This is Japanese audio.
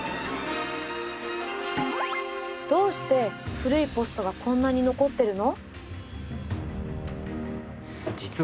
どうして古いポストがこんなに残ってるの？